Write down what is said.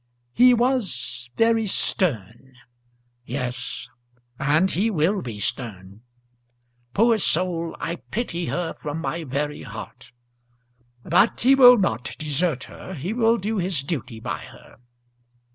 "He was very stern." "Yes; and he will be stern. Poor soul! I pity her from my very heart. But he will not desert her; he will do his duty by her."